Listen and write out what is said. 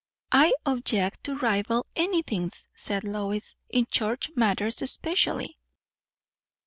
"I object to rival anythings," said Lois; "in church matters especially."